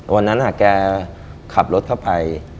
วันนั้นแกขับรถเข้าไป